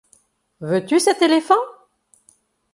Veux-tu cet éléphant?